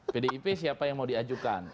pdip siapa yang mau diajukan